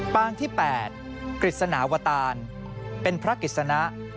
ปางที่๘กฤษณาวตารเป็นพระกฤษณะ